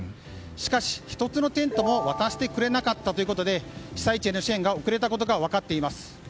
しかし、１つのテントも渡してくれなかったということで被災地への支援が遅れたことが分かっています。